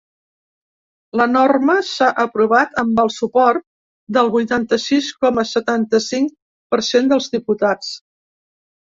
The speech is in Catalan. La norma s’ha aprovat amb el suport del vuitanta-sis coma setanta-cinc per cent dels diputats.